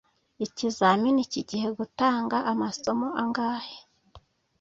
ikizamini kigiye gutanga amasomo angahe